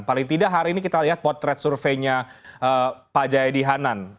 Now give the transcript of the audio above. paling tidak hari ini kita lihat potret surveinya pak jayadi hanan